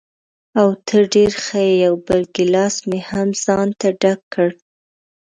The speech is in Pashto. اوه، ته ډېره ښه یې، یو بل ګیلاس مې هم ځانته ډک کړ.